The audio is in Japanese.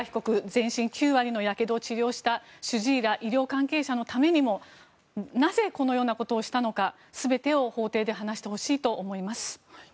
全身９割のやけどを治療した主治医ら医療関係者らのためにもなぜ、このようなことをしたのか全てを法廷で話してほしいと思います。